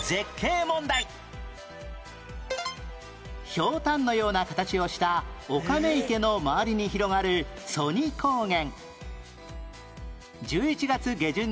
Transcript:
ひょうたんのような形をしたお亀池の周りに広がる曽爾高原